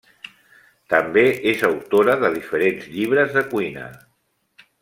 També és autora de diferents llibres de cuina.